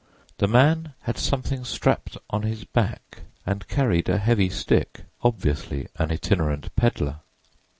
The man had something strapped on his back and carried a heavy stick—obviously an itinerant peddler.